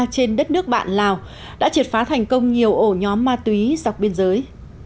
trên đất nước bạn lào đã triệt phá thành công nhiều ổ nhóm ma túy dọc biên giới